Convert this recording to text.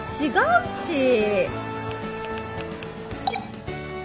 違うし！